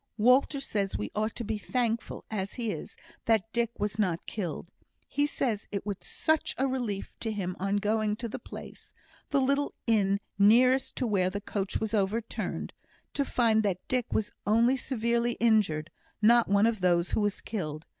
Walter says we ought to be thankful, as he is, that Dick was not killed. He says it was such a relief to him on going to the place the little inn nearest to where the coach was overturned to find that Dick was only severely injured; not one of those who was killed.